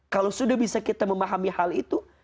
kalau sudah bisa kita memahami hal itu